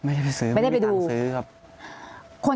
ก็คลิปออกมาแบบนี้เลยว่ามีอาวุธปืนแน่นอน